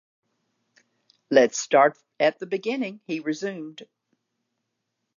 "Let us start at the beginning," he resumed.